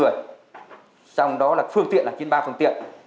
trong đó là phương tiện là chín mươi ba phương tiện